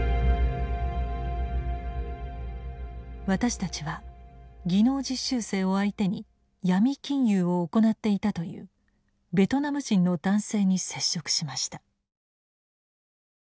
私たちは技能実習生を相手に闇金融を行っていたというベトナム人の男性に接触しました。